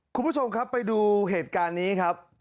คุณผู้ชมครับไปดูเหตุการณ์นี้ครับ